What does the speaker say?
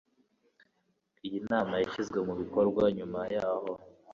iyi nama yashyizwe mu bikorwa nyuma y aho